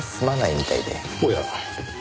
おや？